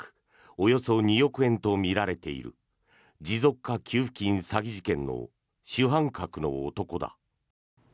およそ２億円とみられている持続化給付金詐欺事件の主犯格の男だ。